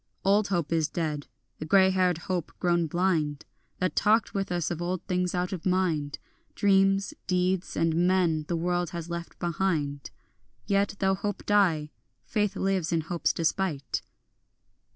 Old hope is dead, the grey haired hope grown blind That talked with us of old things out of mind, Dreams, deeds and men the world has left behind; Yet, though hope die, faith lives in hope's despite.